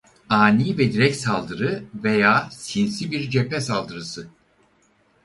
Ani ve direkt saldırı veya sinsi bir cephe saldırısı.